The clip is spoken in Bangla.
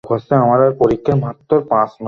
এভাবে করতে থাকো।